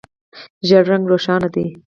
ژېړ رنګ روښانه دی.